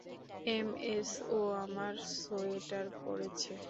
MS, ও আমার sweater পরেছে।